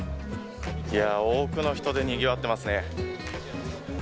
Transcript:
いやー、多くの人でにぎわってますね。